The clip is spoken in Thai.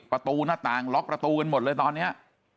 ประตูหน้าต่างล็อกประตูกันหมดเลยตอนนี้